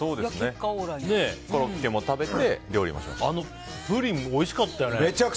コロッケも食べてあのプリン、おいしかったよね。